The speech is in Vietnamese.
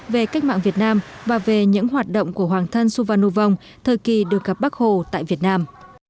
về cách mạng việt nam và về những hoạt động của hoàng thân su van nu vong thời kỳ được gặp bác hồ tại việt nam